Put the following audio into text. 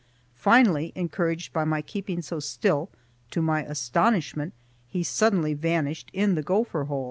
Finally, encouraged by my keeping so still, to my astonishment he suddenly vanished in the gopher hole.